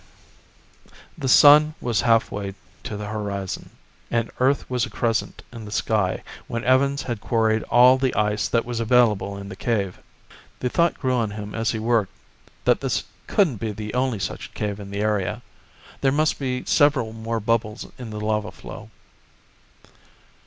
]The sun was halfway to the horizon, and Earth was a crescent in the sky when Evans had quarried all the ice that was available in the cave. The thought grew on him as he worked that this couldn't be the only such cave in the area. There must be several more bubbles in the lava flow.